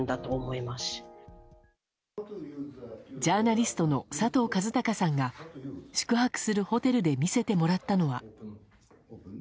ジャーナリストの佐藤和孝さんが宿泊するホテルで見せてもらったのは。